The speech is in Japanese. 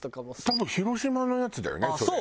多分広島のやつだよねそれ。